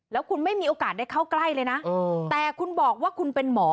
แล้วคุณไม่มีโอกาสได้เข้าใกล้เลยนะแต่คุณบอกว่าคุณเป็นหมอ